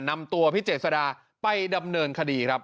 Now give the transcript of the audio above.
นำตัวพี่เจษดาไปดำเนินคดีครับ